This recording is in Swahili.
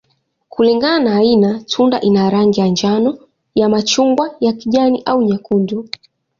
Kulingana na aina, tunda ina rangi ya njano, ya machungwa, ya kijani, au nyekundu.